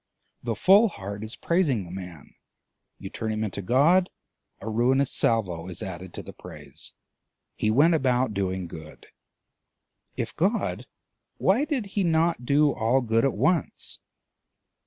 The full heart is praising the man; you turn him into God, a ruinous salvo is added to the praise. He went about doing good: if God, why did he not do all good at once?